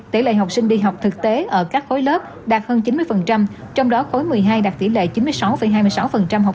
tỷ lệ học sinh đi học thực tế ở các khối lớp đạt hơn chín mươi trong đó khối một mươi hai đạt tỷ lệ chín mươi sáu hai mươi sáu học